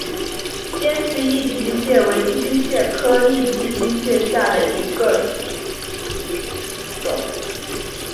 尖刺异寄居蟹为寄居蟹科异寄居蟹属下的一个种。